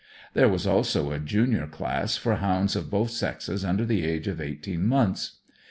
There was also a junior class for hounds of both sexes under the age of eighteen months.